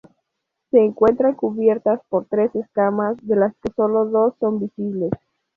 Se encuentran cubiertas por tres escamas, de las que sólo dos son visibles.